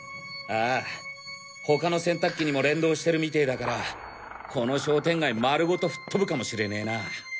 ああ他の洗濯機にも連動してるみてぇだからこの商店街丸ごと吹っ飛ぶかもしれねぇな。